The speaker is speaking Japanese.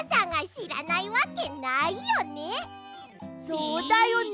そうだよね。